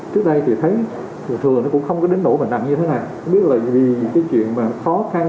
trước đây thì thấy thường thường nó cũng không có đến nỗi bệnh nặng như thế này không biết là vì cái chuyện mà khó khăn